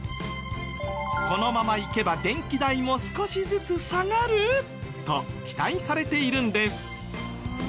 このままいけば電気代も少しずつ下がる？と期待されているんです。